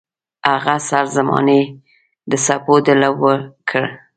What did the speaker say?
هغه سر زمانې د سپو د لوبو کړ.